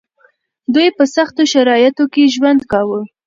دوی په سختو شرايطو کې ژوند کاوه.